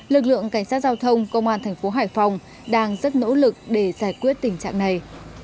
lực lượng cảnh sát giao thông công an thành phố hải phòng đang rất nỗ lực để giải quyết tình trạng này